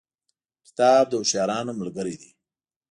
کتاب د هوښیارانو ملګری دی.